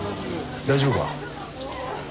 大丈夫か？